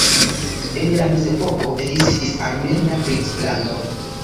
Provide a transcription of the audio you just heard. En la mezepoko ekzistis armena princlando.